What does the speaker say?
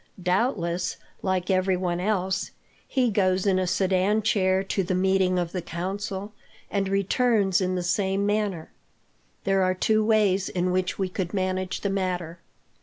"Doubtless, like everyone else, he goes in a sedan chair to the meeting of the council, and returns in the same manner. There are two ways in which we could manage the matter.